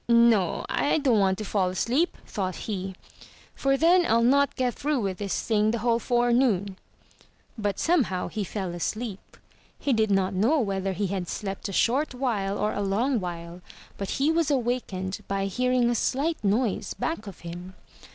"No! I don't want to fall asleep,'' thought he, "for then I'll not get through with this thing the whole forenoon." But somehow he fell asleep. He did not know whether he had slept a short while or a long while; but he was awakened by hearing a slight noise back of him.